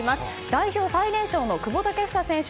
代表最年少の久保建英選手